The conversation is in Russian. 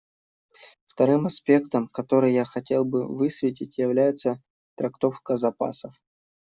Вторым аспектом, который я хотел бы высветить, является трактовка запасов.